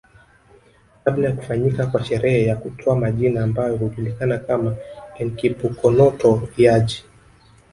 Kabla ya kufanyika kwa sherehe ya kutoa majina ambayo hujulikana kama Enkipukonoto Eaji